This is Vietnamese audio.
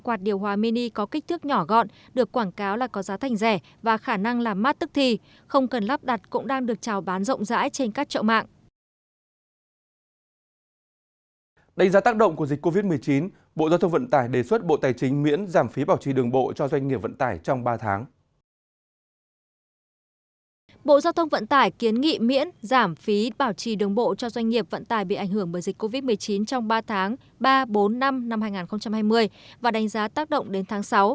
bộ giao thông vận tải kiến nghị miễn giảm phí bảo trì đồng bộ cho doanh nghiệp vận tải bị ảnh hưởng bởi dịch covid một mươi chín trong ba tháng ba bốn năm hai nghìn hai mươi và đánh giá tác động đến tháng sáu